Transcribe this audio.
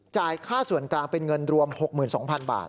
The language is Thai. ค่าส่วนกลางเป็นเงินรวม๖๒๐๐๐บาท